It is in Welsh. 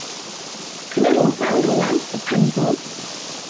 Cymer ofal, rwan, y penbwl!